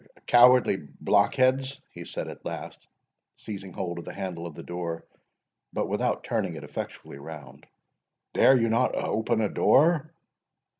"Cowardly blockheads!" he said at last, seizing hold of the handle of the door, but without turning it effectually round— "dare you not open a door?"